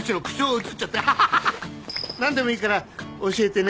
何でもいいから教えてね。